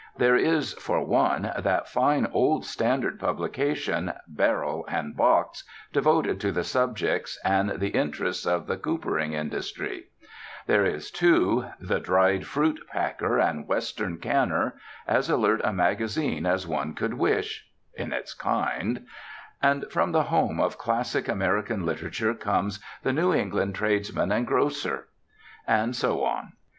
There is, for one, that fine, old, standard publication, Barrel and Box, devoted to the subjects and the interests of the coopering industry; there is too, The Dried Fruit Packer and Western Canner, as alert a magazine as one could wish in its kind; and from the home of classic American literature comes The New England Tradesman and Grocer. And so on.